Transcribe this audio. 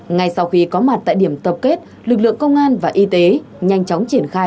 ngay sau khi có mặt tại điểm tập kết lực lượng công an và y tế nhanh chóng triển khai